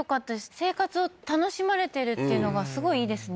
生活を楽しまれてるっていうのがすごいいいですね